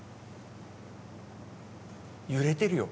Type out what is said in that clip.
揺れてるよ。